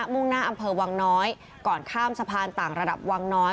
มุ่งหน้าอำเภอวังน้อยก่อนข้ามสะพานต่างระดับวังน้อย